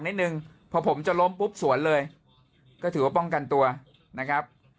นิดนึงพอผมจะล้มปุ๊บสวนเลยก็ถือว่าป้องกันตัวนะครับ